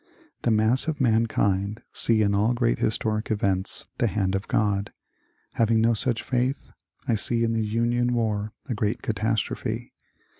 The mass of mankind see in all great historic events the hand of God. Having no such faith, I see in the Union war a great catastrophe.